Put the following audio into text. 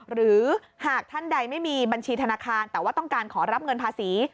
หรือหากท่านใดไม่มีบัญชีธนาคารแต่ว่าต้องการขอรับเงินภาษี